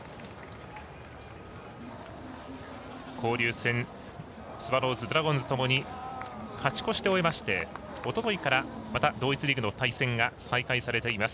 交流戦、スワローズドラゴンズともに勝ち越しで終えましておとといからまた、同一リーグの対戦が再開されています、